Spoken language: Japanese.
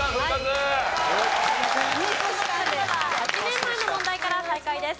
それでは８年前の問題から再開です。